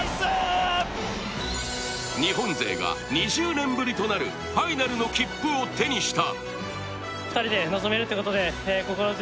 日本勢が２０年ぶりとなるファイナルの切符を手にした。